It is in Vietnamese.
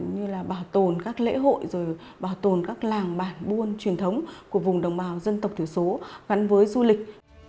như là bảo tồn các lễ hội rồi bảo tồn các làng bản buôn truyền thống của vùng đồng bào dân tộc thiểu số gắn với du lịch